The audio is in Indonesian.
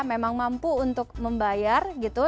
memang mampu untuk membayar gitu